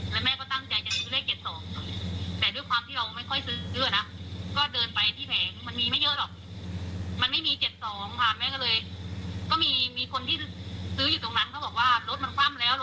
แล้วหันหน้ามองพ่อแบบ